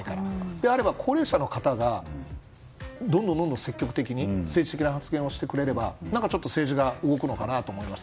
であれば高齢者の方がどんどん積極的に政治的な発言をしてくれれば政治が動くのかなと思います。